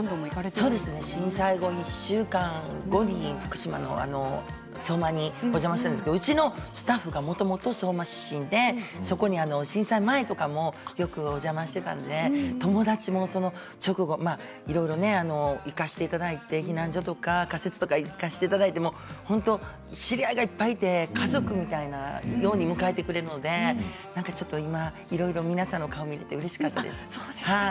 そうですね１週間後に福島の相馬にお邪魔してうちのスタッフが、もともと相馬市出身で震災前とかもよくお邪魔していたので友達もその直後いろいろね、行かせていただいて避難所とか仮設とか行かせていただいて知り合いがいっぱいいて家族のように迎えてくれるので今、いろいろ皆さんの顔を見てうれしかったです。